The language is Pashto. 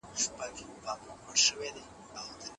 حیات سلطان د خپل ورور د وژلو په ګناه بندي شوی و.